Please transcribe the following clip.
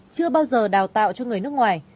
chưa bao giờ đào tạo cho người nước ngoài